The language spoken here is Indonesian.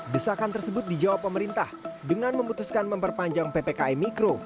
desakan tersebut dijawab pemerintah dengan memutuskan memperpanjang ppkm mikro